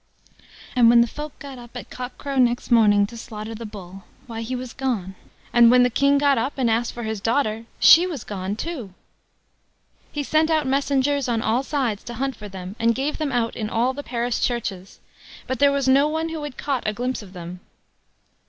And when the folk got up at cockcrow next morning to slaughter the Bull, why, he was gone; and when the King got up and asked for his daughter, she was gone too. He sent out messengers on all sides to hunt for them, and gave them out in all the parish churches; but there was no one who had caught a glimpse of them.